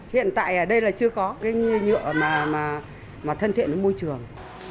hiện tại ở đây là chưa có cái nhựa mà thân thiện với môi trường